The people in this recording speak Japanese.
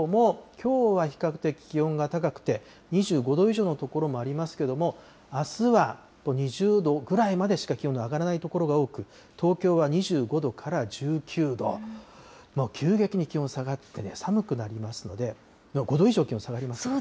関東もきょうは比較的気温が高くて、２５度以上の所もありますけれども、あすは２０度ぐらいまでしか気温が上がらない所が多く、東京は２５度から１９度、もう急激に気温下がって寒くなりますので、５度以上気温下がりますからね。